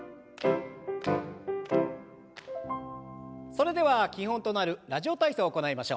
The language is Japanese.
それでは基本となる「ラジオ体操」を行いましょう。